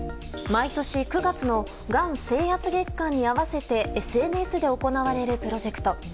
毎年９月のがん征圧月間に合わせてＳＮＳで行われるプロジェクト。